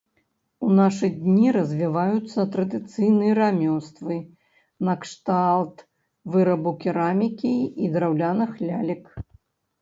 У нашы дні развіваюцца традыцыйныя рамёствы накшталт вырабу керамікі і драўляных лялек.